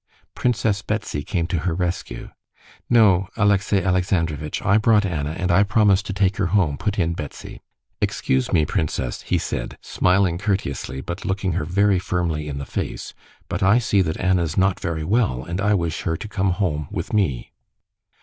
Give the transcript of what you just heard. Princess Betsy came to her rescue. "No, Alexey Alexandrovitch; I brought Anna and I promised to take her home," put in Betsy. "Excuse me, princess," he said, smiling courteously but looking her very firmly in the face, "but I see that Anna's not very well, and I wish her to come home with me."